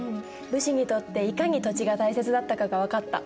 武士にとっていかに土地が大切だったかが分かった。